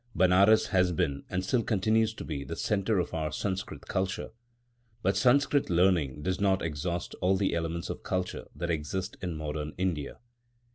Benares has been and still continues to be the centre of our Sanskrit culture. But Sanskrit learning does not exhaust all the elements of culture that exist in modern India.